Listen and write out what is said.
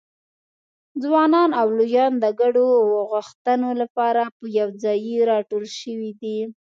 ځوانان او لویان د ګډو غوښتنو لپاره په یوځایي راټول شوي دي.